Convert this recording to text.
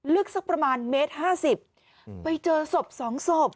ลึกสักประมาณเมตรห้าสิบไปเจอศพสองศพ